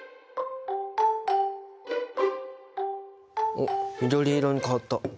おっ緑色に変わった！